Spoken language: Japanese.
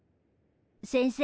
先生。